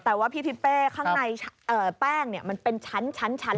แต่ว่าพี่พิเฟ่ข้างในแป้งเนี่ยมันเป็นชั้นชั้น